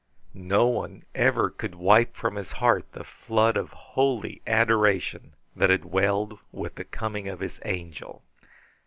No one ever could wipe from his heart the flood of holy adoration that had welled with the coming of his Angel.